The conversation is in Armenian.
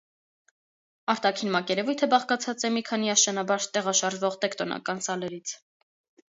Արտաքին մակերևույթը բաղկացած է մի քանի աստիճանաբար տեղաշարժվող տեկտոնական սալերից։